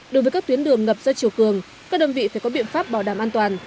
đối với các tuyến đường ngập do triều cường các đơn vị phải có biện pháp bảo đảm an toàn